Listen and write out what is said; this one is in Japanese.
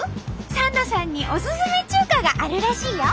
サンドさんにおすすめ中華があるらしいよ。